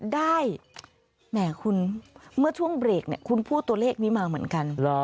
แหมคุณเมื่อช่วงเบรกคุณพูดตัวเลขนี้มาเหมือนกัน